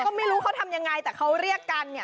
ก็ไม่รู้เขาทำยังไงแต่เขาเรียกกันเนี่ย